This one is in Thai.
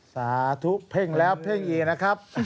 สาธุเพ่งแล้วเพ่งอีกนะครับ